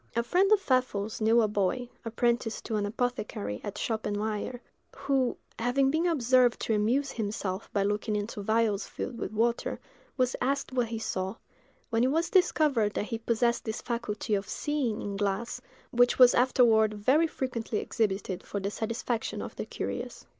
A friend of Pfeffel's knew a boy, apprenticed to an apothecary at Schoppenweyer, who, having been observed to amuse himself by looking into vials filled with water, was asked what he saw; when it was discovered that he possessed this faculty of seeing in glass, which was afterward very frequently exhibited for the satisfaction of the curious.